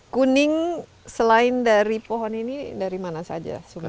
kuning selain dari pohon ini dari mana saja sungai